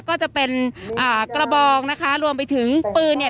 ก็จะเป็นอ่ากระบองนะคะรวมไปถึงปืนเนี่ย